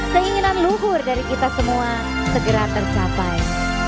keinginan luhur dari kita semua segera tercapai